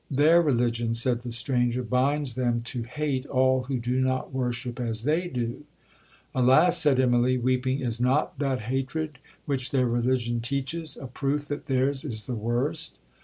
'Their religion,' said the stranger, 'binds them to hate all who do not worship as they do.'—'Alas!' said Immalee, weeping, 'is not that hatred which their religion teaches, a proof that theirs is the worst?